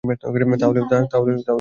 তাহলে আমি যাই?